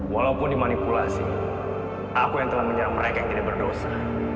walaupun dimanipulasi aku yang telah menyerang mereka yang tidak berdosa